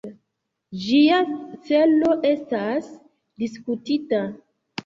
Ĝia celo estas diskutita.